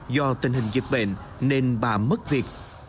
do tình hình dịch bệnh nên bà mất việc